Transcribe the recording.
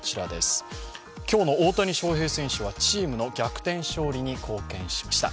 今日の大谷翔平選手はチームの逆転勝利に貢献しました。